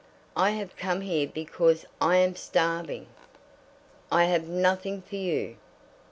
"I have come here because I am starving." "I have nothing for you.